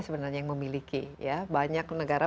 sebenarnya yang memiliki ya banyak negara